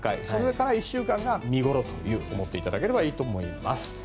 それから１週間が見頃と思っていただければと思います。